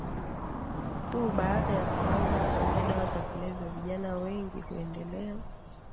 tu baada ya kuanza kutumia dawa za kulevya vijana wengi huendelea